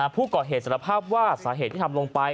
ผู้ก่อเหตุสารภาพว่าสาเหตุที่ทำลงไป